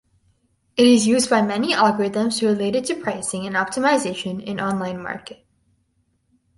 It is used by many algorithms related to pricing and optimization in online market.